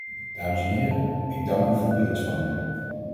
Dames en heren, ik dank u voor uw inspanningen.